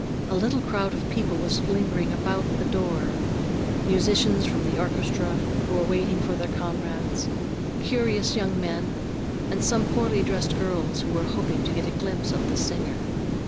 A little crowd of people was lingering about the door—musicians from the orchestra who were waiting for their comrades, curious young men, and some poorly dressed girls who were hoping to get a glimpse of the singer.